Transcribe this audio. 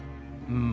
うん。